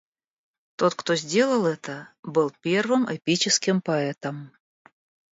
Тот, кто сделал это, был первым эпическим поэтом.